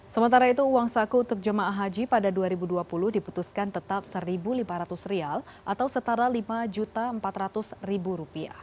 sementara itu uang saku untuk jemaah haji pada dua ribu dua puluh diputuskan tetap rp satu lima ratus atau setara rp lima empat ratus